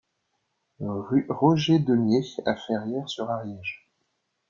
Rue Roger Deumié à Ferrières-sur-Ariège